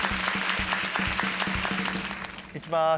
いきます。